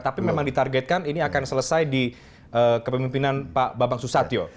tapi memang ditargetkan ini akan selesai di kepemimpinan pak babang susatyo